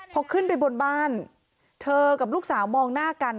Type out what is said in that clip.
พอขึ้นไปบนบ้านเธอกับลูกสาวมองหน้ากัน